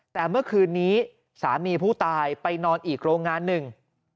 แต่เมื่อคืนนี้สามีผู้ตายไปนอนอีกโรงงานหนึ่ง